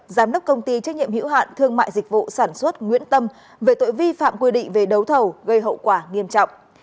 giám đốc công ty trách nhiệm hữu hạn thương mại dịch vụ sản xuất nguyễn tâm về tội vi phạm quy định về đấu thầu gây hậu quả nghiêm trọng